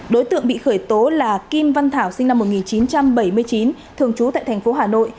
đối tượng bị khởi tố là kim văn thảo sinh năm một nghìn chín trăm bảy mươi chín thường trú tại thành phố hà nội